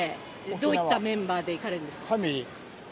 どういったメンバーで行かれるんファミリー。